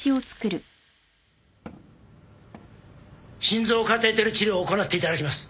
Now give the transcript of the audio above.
心臓カテーテル治療を行っていただきます。